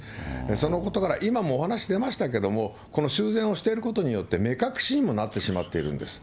そのことから今もお話出ましたけれども、この修繕をしていることによって、目隠しにもなってしまってるんです。